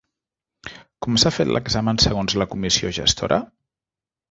Com s'ha fet l'examen segons la comissió gestora?